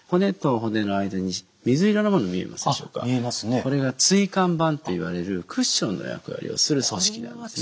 これが椎間板といわれるクッションの役割をする組織なんですね。